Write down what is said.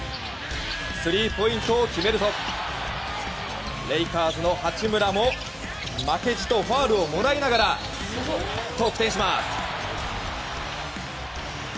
スリーポイントを決めるとレイカーズの八村も負けじとファウルをもらいながら得点します。